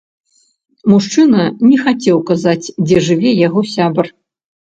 Мужчына не хацеў казаць, дзе жыве яго сябар.